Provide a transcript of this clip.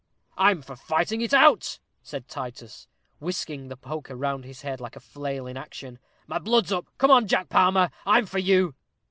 "I'm for fighting it out," said Titus, whisking the poker round his head like a flail in action. "My blood's up. Come on, Jack Palmer, I'm for you."